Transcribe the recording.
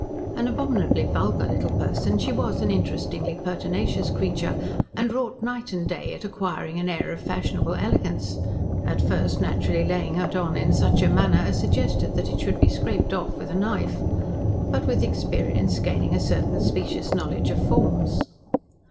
An abominably vulgar little person, she was an interestingly pertinacious creature, and wrought night and day at acquiring an air of fashionable elegance, at first naturally laying it on in such manner as suggested that it should be scraped off with a knife, but with experience gaining a certain specious knowledge of forms.